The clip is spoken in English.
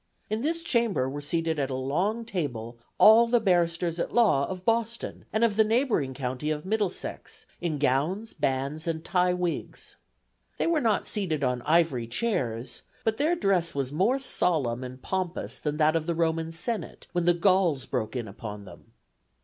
... In this chamber were seated at a long table all the barristers at law of Boston, and of the neighboring county of Middlesex in gowns, bands, and tie wigs. They were not seated on ivory chairs, but their dress was more solemn and pompous than that of the Roman Senate, when the Gauls broke in upon them.